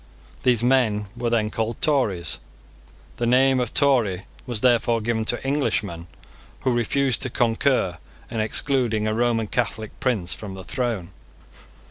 These men were then called Tories. The name of Tory was therefore given to Englishmen who refused to concur in excluding a Roman Catholic prince from the throne.